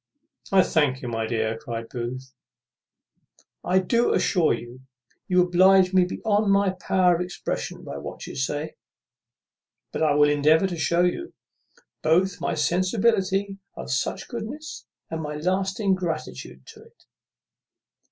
"I thank you, my dear," cries Booth; "I do assure you, you oblige me beyond my power of expression by what you say; but I will endeavour to shew you, both my sensibility of such goodness, and my lasting gratitude to it."